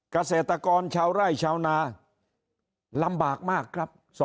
เกษตรกรชาวไร่ชาวนาลำบากมากครับ